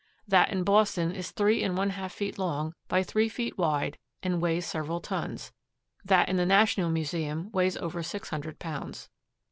That in Boston is three and one half feet long by three feet wide and weighs several tons. That in the National Museum weighs over six hundred pounds.